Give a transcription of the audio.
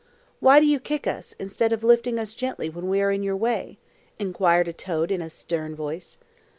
"Why do you kick us, instead of lifting us gently when we are in your way?" inquired a toad in a stern voice.